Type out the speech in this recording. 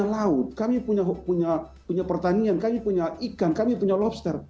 dan kami turun ke jalan nasional